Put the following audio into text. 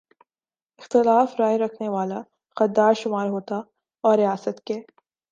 اختلاف رائے رکھنے والا غدار شمار ہوتا اور ریاست کے